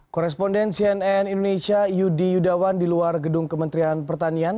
koresponden cnn indonesia yudi yudawan di luar gedung kementerian pertanian